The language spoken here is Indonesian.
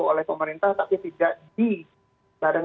oke well ini juga sensitif dan cuman di instagram